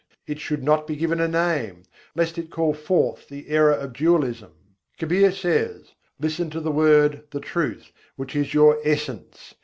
It should not be given a name, lest it call forth the error of dualism. Kabîr says: "Listen to the Word, the Truth, which is your essence.